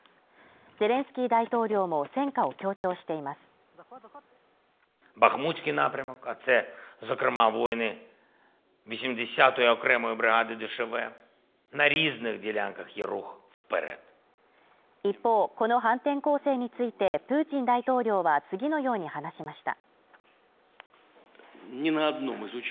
ゼレンスキー大統領も戦果を強調しています一方、この反転攻勢についてプーチン大統領は次のように話しました。